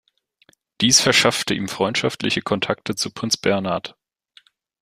Dies verschaffte ihm freundschaftliche Kontakte zu Prinz Bernhard.